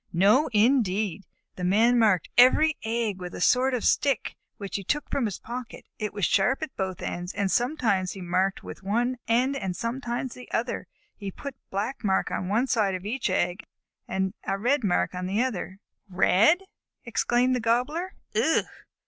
"No indeed! The Man marked every egg with a sort of stick, which he took from his pocket. It was sharp at both ends, and sometimes he marked with one end and sometimes with the other. He put a black mark on one side of each egg and a red mark on the other." "Red!" exclaimed the Gobbler. "Ugh!"